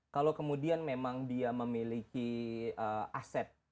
kalau kemudian memang dia memiliki aset